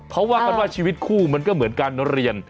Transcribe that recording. เขาว่ากันว่าชีวิตคู่มันก็เหมือนการเรียน